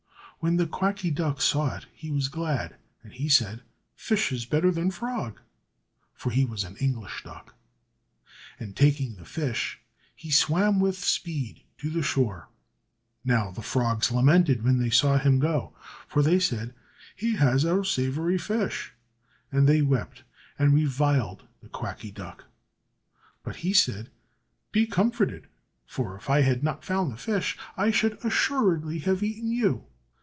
When the Quacky Duck saw it, he was glad; and he said, "Fish is better than frog" (for he was an English duck)! And, taking the fish, he swam with speed to the shore. Now the frogs lamented when they saw him go, for they said, "He has our savoury fish!" And they wept, and reviled the Quacky Duck. But he said, "Be comforted! for if I had not found the fish, I should assuredly have eaten you.